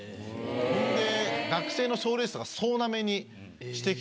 そんで学生の賞レースとか総ナメにしてきて。